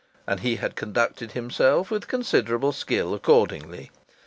And he had conducted himself with considerable skill accordingly.